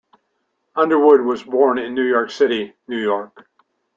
Underwood was born in New York City, New York.